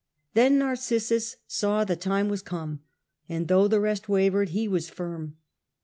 Then Narcissus saw the time was come, and, though the rest wavered, he was firm.